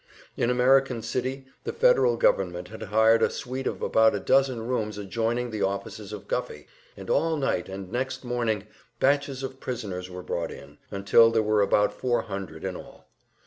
In American City the Federal government had hired a suite of about a dozen rooms adjoining the offices of Guffey, and all night and next morning batches of prisoners were brought in, until there were about four hundred in all.